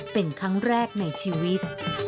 เป็นครั้งแรกในชีวิต